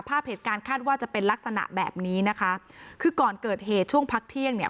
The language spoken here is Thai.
ภาพเหตุการณ์คาดว่าจะเป็นลักษณะแบบนี้นะคะคือก่อนเกิดเหตุช่วงพักเที่ยงเนี่ย